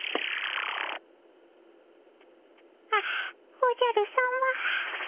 あっおじゃるさま。